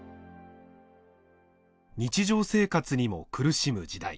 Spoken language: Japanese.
日常生活にも苦しむ時代。